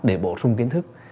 để bổ sung kiến thức